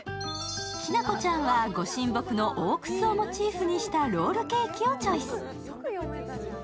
きなこちゃんはご神木の大楠をモチーフにしたロールケーキをチョイス。